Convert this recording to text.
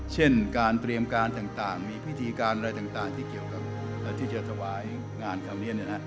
เช่นการเตรียมการต่างมีพิธีการอะไรต่างที่เกี่ยวกับที่จะถวายงานคราวนี้